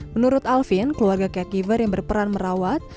menurut alvin keluarga catgiver yang berperan merawat